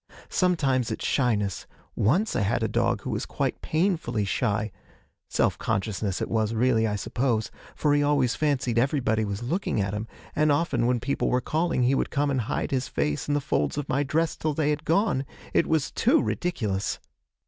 Sometimes it's shyness; once I had a dog who was quite painfully shy self consciousness it was really, I suppose, for he always fancied everybody was looking at him, and often when people were calling he would come and hide his face in the folds of my dress till they had gone it was too ridiculous!